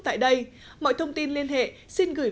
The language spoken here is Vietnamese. tại đây mọi thông tin liên hệ xin gửi